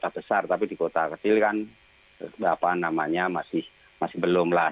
tidak besar tapi di kota kecil kan masih belum lah